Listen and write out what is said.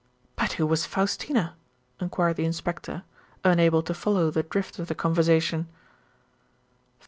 "But who was Faustina?" enquired the inspector, unable to follow the drift of the conversation.